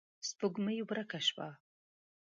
سپوږمۍ ورکه شوه.